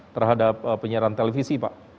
terhadap penyiaran televisi pak